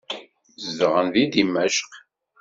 Zedɣen deg Dimecq.